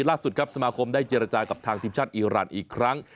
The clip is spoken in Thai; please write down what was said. ล่าสุดครับสมาคมได้เจรจากับทางทีมชาติอีรานอีกครั้ง